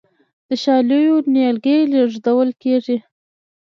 د شالیو نیالګي لیږدول کیږي.